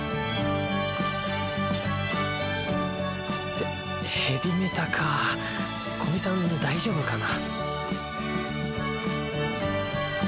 へヘビメタかぁ古見さん大丈夫かな？